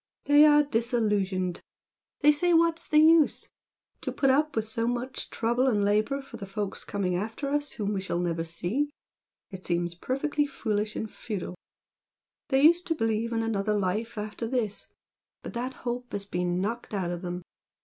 They are 'disillusioned.' They say 'what's the use?' To put up with so much trouble and labour for the folks coming after us whom we shall never see, it seems perfectly foolish and futile. They used to believe in another life after this but that hope has been knocked out of them.